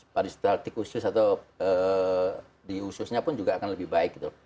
paristaltik khusus atau di ususnya pun juga akan lebih baik gitu